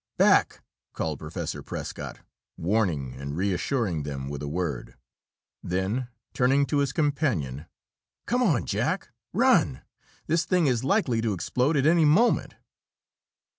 "Back!" called Professor Prescott, warning and reassuring them with a word. Then, turning to his companion: "Come on, Jack run! This thing is likely to explode at any moment."